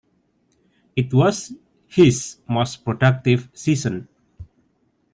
It was his most productive season.